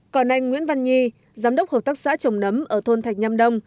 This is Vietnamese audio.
còn anh nguyễn văn nhi giám đốc hợp tác xã trồng nấm ở thôn thạch nhâm đông